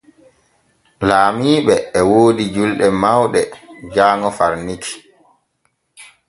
Laamiiɓe e woodi julɗe mawɗe jaaŋo far Niki.